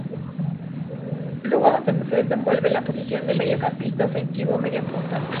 Lugo se desenvuelve en la posición de mediocampista ofensivo o media punta.